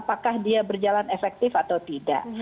apakah dia berjalan efektif atau tidak